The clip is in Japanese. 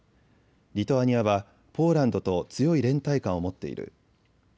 リトアニアはポーランドと強い連帯感を持っている。